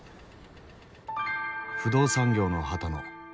不動産業の波多野。